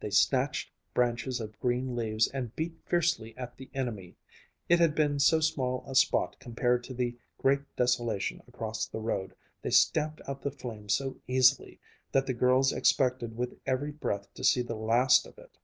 They snatched branches of green leaves and beat fiercely at the enemy. It had been so small a spot compared to the great desolation across the road, they stamped out the flames so easily, that the girls expected with every breath to see the last of it.